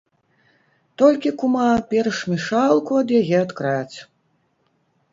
Толькі, кума, перш мешалку ад яе адкрадзь.